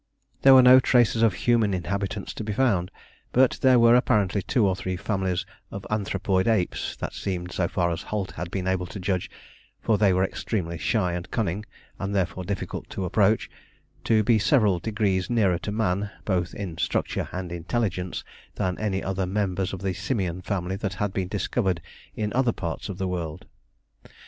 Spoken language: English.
There were no traces of human inhabitants to be found; but there were apparently two or three families of anthropoid apes, that seemed, so far as Holt had been able to judge for they were extremely shy and cunning, and therefore difficult of approach to be several degrees nearer to man, both in structure and intelligence, than any other members of the Simian family that had been discovered in other parts of the world.